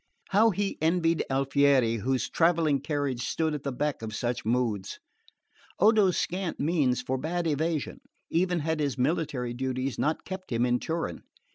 How he envied Alfieri, whose travelling carriage stood at the beck of such moods! Odo's scant means forbade evasion, even had his military duties not kept him in Turin.